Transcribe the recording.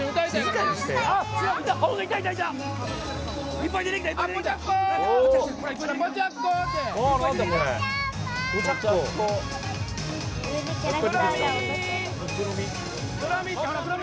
いっぱい出てきた！